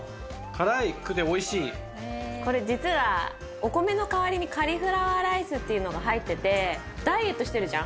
お米の代わりにカリフラワーライスというのが入っていて、ダイエットしているじゃん。